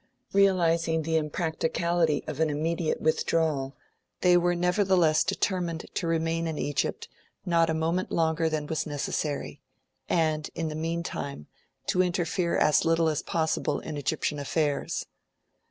Realising the impracticality of an immediate withdrawal, they were nevertheless determined to remain in Egypt not a moment longer than was necessary, and, in the meantime, to interfere as little as possible in Egyptian affairs.